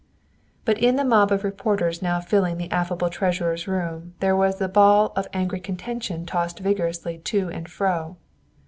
But in the mob of reporters now filling the affable treasurer's room there was the ball of angry contention tossed vigorously too and fro.